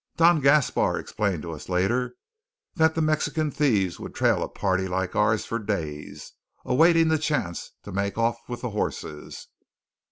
Don Gaspar explained to us later that the Mexican thieves would trail a party like ours for days, awaiting the chance to make off with the horses.